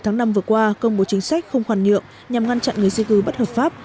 tháng năm vừa qua công bố chính sách không hoàn nhượng nhằm ngăn chặn người di cư bất hợp pháp